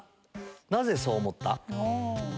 なぜそう思った？